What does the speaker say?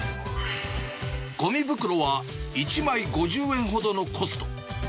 ごみ袋は１枚５０円ほどのコスト。